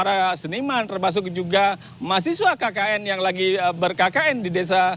dan juga dengan peniman termasuk juga mahasiswa kkn yang lagi ber kkn di desa